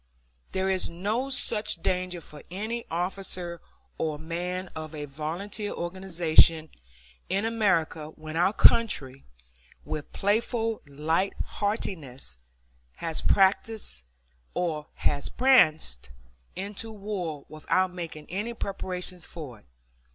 There is no such danger for any officer or man of a volunteer organization in America when our country, with playful light heartedness, has pranced into war without making any preparation for it.